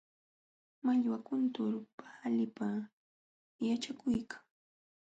Mallwa kuntur paalita yaćhakuykan.